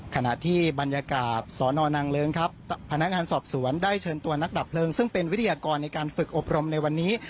ขณะที่บรรยากาศสนนางเลิ้งครับพนักงานสอบสวนได้เชิญตัวนักดับเพลิงซึ่งเป็นวิทยากรในการฝึกอบรมในวันนี้